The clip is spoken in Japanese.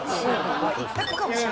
一択かもしれない。